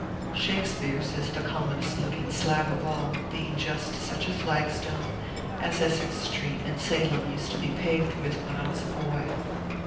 Shakespeare's is the commonest looking slab of all, being just such a flag stone as Essex Street in Salem used to be paved with, when I was a boy.